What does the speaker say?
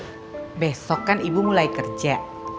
eh besok kan ibu mulai kerja